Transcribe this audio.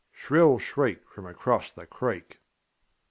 ŌĆÖ shrill shriek from across the creek.